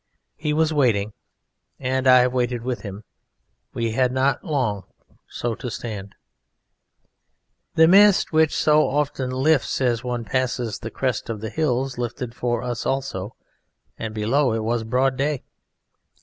He was waiting, and I waited with him: we had not long so to stand. The mist which so often lifts as one passes the crest of the hills lifted for us also, and, below, it was broad day.